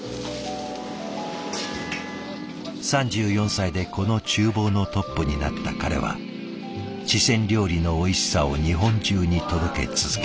３４歳でこのちゅう房のトップになった彼は四川料理のおいしさを日本中に届け続けた。